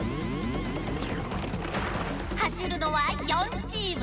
はしるのは４チーム。